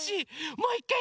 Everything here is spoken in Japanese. もういいかい？